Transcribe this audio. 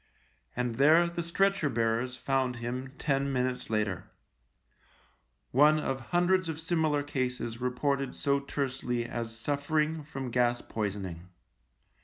And there the stretcher bearers found him ten minutes later — one of hundreds of similar cases reported so tersely as " suffer ing from gas poisoning."